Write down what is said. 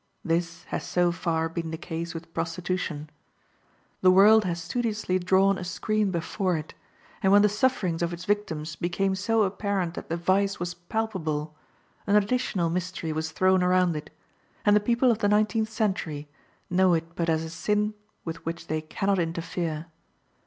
This has so far been the case with prostitution. The world has studiously drawn a screen before it, and when the sufferings of its victims became so apparent that the vice was palpable, an additional mystery was thrown around it, and the people of the nineteenth century know it but as a sin with which they can not interfere.